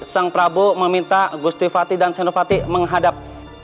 sang prabu meminta gusti fatih dan senofati menghadap